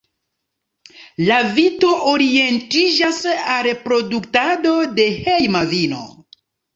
La vito orientiĝas al produktado de hejma vino.